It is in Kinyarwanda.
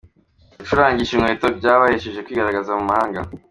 Gucurangisha inkweto byabahesheje kwigaragaza mu mahanga.